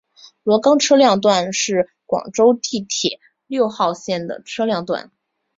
萝岗车辆段是广州地铁六号线的车辆段。